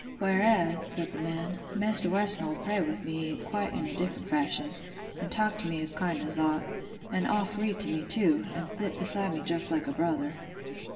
"Whereas," said the man, "Maister Weston 'ull pray with me quite in a different fashion, an' talk to me as kind as owt; an' oft read to me too, an' sit beside me just like a brother."